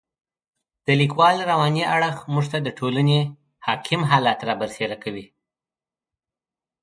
د لیکوال رواني اړخ موږ ته د ټولنې حاکم حالات را برسېره کوي.